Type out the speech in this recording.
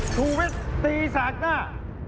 ชูวิทย์ตีแสกหน้า